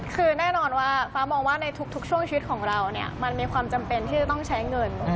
คือแน่นอนว่าฟ้ามองว่าในทุกช่วงชีวิตของเราเนี่ยมันมีความจำเป็นที่จะต้องใช้เงิน